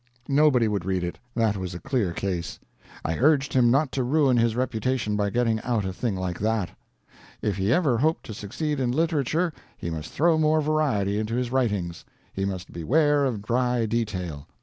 Nobody would read it, that was a clear case. I urged him not to ruin his reputation by getting out a thing like that. If he ever hoped to succeed in literature he must throw more variety into his writings. He must beware of dry detail.